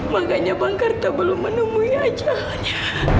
makanya bang karta belum menemui ajahnya